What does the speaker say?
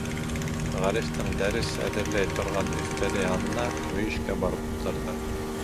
Ғарифтың дәрес әҙерләй торған өҫтәле янына, мөйөшкә, барып ултырҙы.